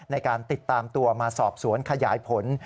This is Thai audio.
ในการติดตามตัวมาสอบสวนขยายผล